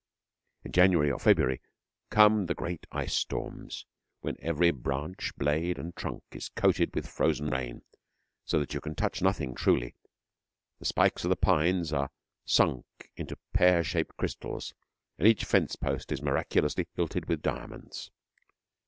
In January or February come the great ice storms, when every branch, blade, and trunk is coated with frozen rain, so that you can touch nothing truly. The spikes of the pines are sunk into pear shaped crystals, and each fence post is miraculously hilted with diamonds.